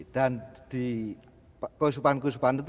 dan di kesukupan kesukupan itu